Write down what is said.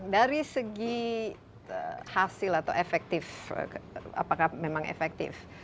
dari segi hasil atau efektif apakah memang efektif